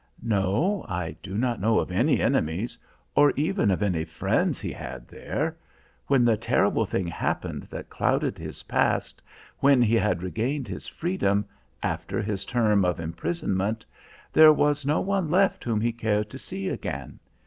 "No, I do not know of any enemies, or even of any friends he had there. When the terrible thing happened that clouded his past, when he had regained his freedom, after his term of imprisonment, there was no one left whom he cared to see again.